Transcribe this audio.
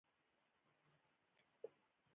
د تېرېدو اړتیا ده او موږ د یوې